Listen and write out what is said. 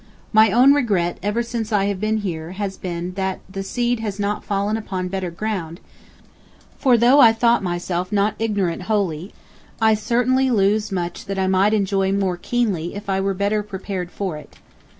My own regret ever since I have been here has been that the seed has not "fallen upon better ground," for though I thought myself not ignorant wholly, I certainly lose much that I might enjoy more keenly if I were better prepared for it.